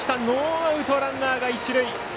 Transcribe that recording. ノーアウト、ランナーが一塁。